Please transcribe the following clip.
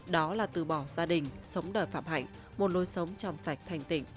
đó là từ bỏ gia đình sống đời phạm hạnh muôn nôi sống trong sạch thành tịnh